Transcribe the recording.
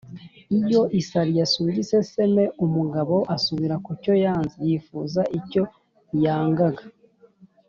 Iyo isari yasumbye iseseme, umugabo asubira kucyo yanze (yifuza icyo yangaga).